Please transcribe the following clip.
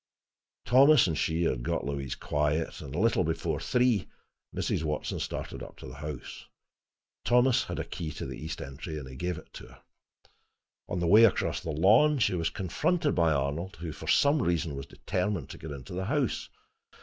Thomas and she had got Louise quiet, and a little before three, Mrs. Watson started up to the house. Thomas had a key to the east entry, and gave it to her. On the way across the lawn she was confronted by Arnold, who for some reason was determined to get into the house.